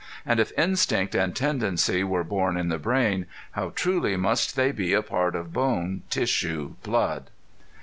And if instinct and tendency were born in the brain how truly must they be a part of bone, tissue, blood.